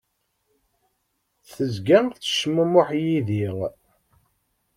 Tezga tettcmumuḥ yid-i.